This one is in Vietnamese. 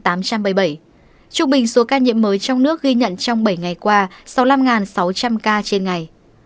trung bình số ca nhiễm mới trong nước ghi nhận trong bảy ngày qua sáu mươi năm sáu trăm linh ca trên ngày